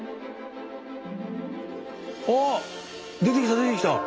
ああ出てきた出てきた！